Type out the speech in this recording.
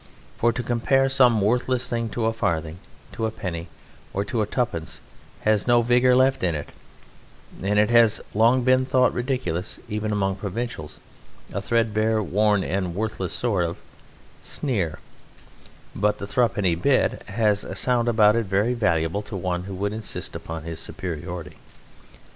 For to compare some worthless thing to a farthing, to a penny, or to tuppence, has no vigour left in it, and it has long been thought ridiculous even among provincials; a threadbare, worn, and worthless sort of sneer; but the thruppenny bit has a sound about it very valuable to one who would insist upon his superiority.